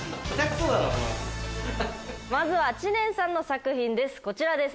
まずは知念さんの作品ですこちらです。